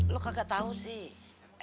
lu kagak tahu sih